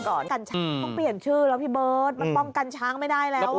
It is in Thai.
ช้างต้องเปลี่ยนชื่อแล้วพี่เบิร์ตมันป้องกันช้างไม่ได้แล้วอ่ะ